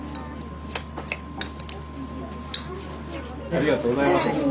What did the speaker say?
ありがとうございます。